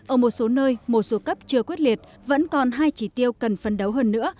ở một số nơi một số cấp chưa quyết liệt vẫn còn hai chỉ tiêu cần phân đấu hơn nữa